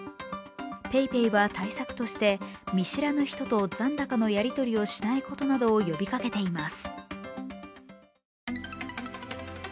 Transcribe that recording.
ＰａｙＰａｙは対策として、見知らぬ人と残高のやり取りをしないことなどを呼びかけています。